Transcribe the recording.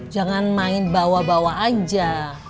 jangan main bawa bawa aja